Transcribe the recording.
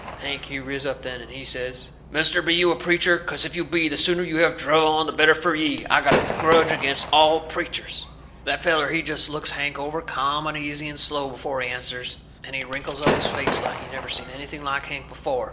Hank, he riz up then, and he says: "Mister, be you a preacher? 'Cause if you be, the sooner you have druv on, the better fur ye. I got a grudge agin all preachers." That feller, he jest looks Hank over ca'am and easy and slow before he answers, and he wrinkles up his face like he never seen anything like Hank before.